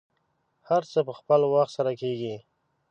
هر څه په خپل وخت سره کیږي.